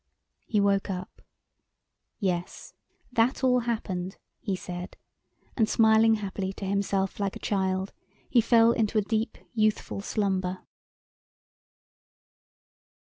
He woke up... "Yes, that all happened!" he said, and, smiling happily to himself like a child, he fell into a deep, youthful slumber.